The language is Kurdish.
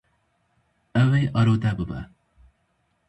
Ew ê arode bibe.